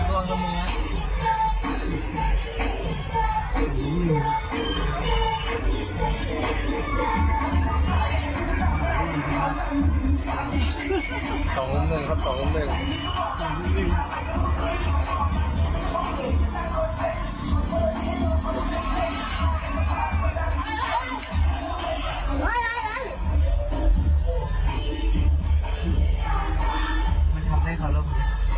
สองรุ่มหนึ่งครับสองรุ่มหนึ่ง